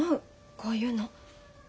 こういうの。